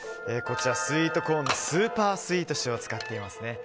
こちらはスイートコーンのスーパースイート種を使っております。